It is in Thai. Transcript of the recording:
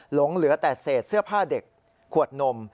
หลงเหลือแต่เศษเสื้อผ้าเด็กขวดนม